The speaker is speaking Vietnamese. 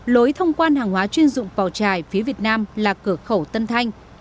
lối thông quan hàng hóa chuyên dụng vào trài phía việt nam là cửa khẩu tân thanh